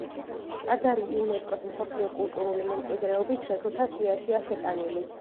ტაძარი იუნესკოს მსოფლიო კულტურული მემკვიდრეობის ძეგლთა სიაშია შეტანილი.